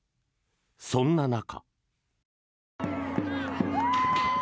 そんな中。